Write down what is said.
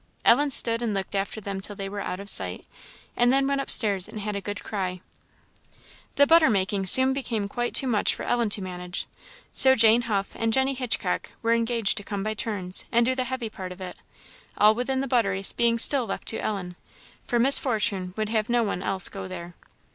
Ellen stood and looked after them till they were out of sight, and then went upstairs and had a good cry. The butter making soon became quite too much for Ellen to manage; so Jane Huff and Jenny Hitchcock were engaged to come by turns, and do the heavy part of it; all within the buttery being still left to Ellen, for Miss Fortune would have no one else go there.